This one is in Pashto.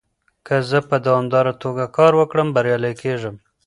که زه په دوامداره توګه کار وکړم، بريالی کېږم.